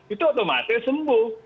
itu otomatis sembuh